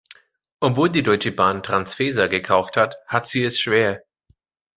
Obwohl die Deutsche Bahn Transfesa gekauft hat, hat sie es schwer.